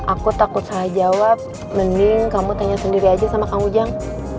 aku takut salah jawab mending kamu tanya sendiri aja sama kang ujang